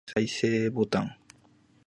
再生ボタン